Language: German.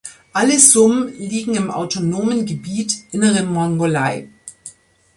Alle Sum liegen im Autonomen Gebiet Innere Mongolei.